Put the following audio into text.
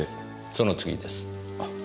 その次です。